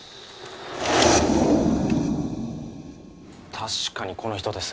確かにこの人です